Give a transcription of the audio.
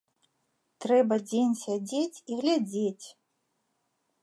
Трэба дзень сядзець і глядзець.